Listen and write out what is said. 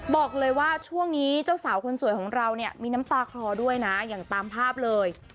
บอกเลยว่าช่วงนี้เจ้าสาวคนสวยของเราเนี่ยมีน้ำตาคลอด้วยนะอย่างตามภาพเลย